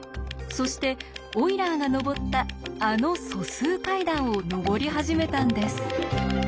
そしてオイラーが上ったあの素数階段を上り始めたんです。